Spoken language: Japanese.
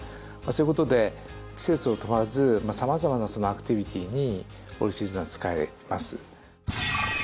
そういうことで季節を問わず様々なアクティビティーにオールシーズンは使えます。